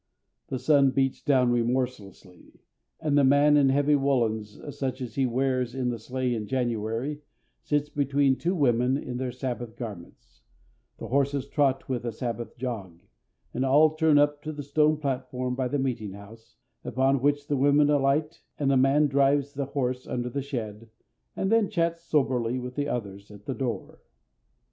The sun beats down remorselessly, and the man in heavy woollens, such as he wears in the sleigh in January, sits between two women in their Sabbath garments, the horses trot with a Sabbath jog, and all turn up to the stone platform by the meeting house, upon which the women alight, and the man drives the horse under the shed, and then chats soberly with the others at the door.